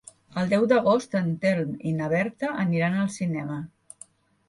El deu d'agost en Telm i na Berta aniran al cinema.